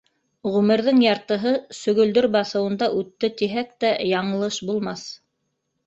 Ғүмерҙең яртыһы сөгөлдөр баҫыуында үтте тиһәк тә яңылыш булмаҫ.